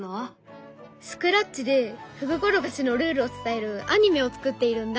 スクラッチでふぐころがしのルールを伝えるアニメを作っているんだ！